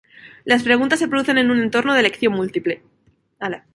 Las preguntas se producen en un entorno de elección múltiple.